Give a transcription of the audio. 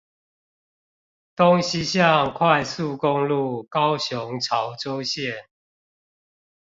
東西向快速公路高雄潮州線